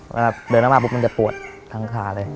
เวลาเดินมากมันจะปวดทางขาเลย